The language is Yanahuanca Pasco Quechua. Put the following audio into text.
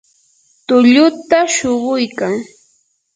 tulluta shuquykan.